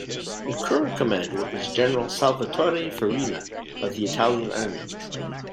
The current commander is General Salvatore Farina of the Italian Army.